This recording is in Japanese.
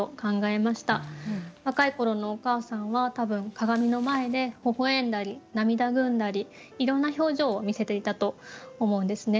若い頃のお母さんは多分鏡の前で微笑んだり涙ぐんだりいろんな表情を見せていたと思うんですね。